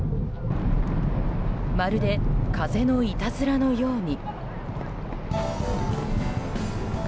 まるで風のいたずらのように。